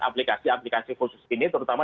aplikasi aplikasi khusus ini terutama